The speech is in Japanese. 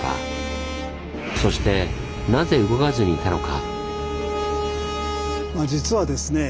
そしてなぜ動かずにいたのか？